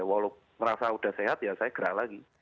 walau ngerasa udah sehat ya saya gerak lagi